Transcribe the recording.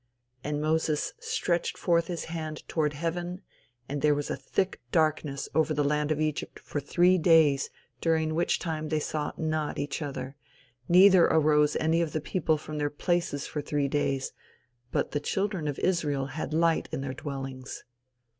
"And Moses stretched forth his hand toward heaven, and there was a thick darkness over the land of Egypt for three days during which time they saw not each other, neither arose any of the people from their places for three days; but the children of Israel had light in their dwellings."